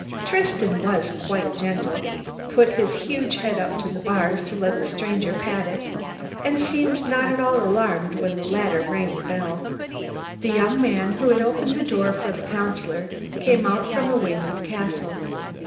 Tristan was quite gentle, put his huge head up to the bars to let the stranger pat it, and seemed not at all alarmed when the latter rang the bell. The young man who had opened the door for the Councillor came out from a wing of the castle.